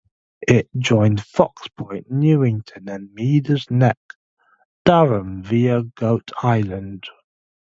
It joined Fox Point, Newington, and Meader's Neck, Durham, via Goat Island.